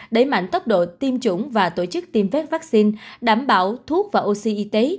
đẩy mạnh tốc độ tiêm chủng và tổ chức tiêm phép vaccine đảm bảo thuốc và oxy y tế